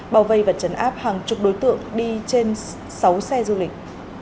bảo vây và trấn áp hàng chục đối tượng đi trên sáu xe du lịch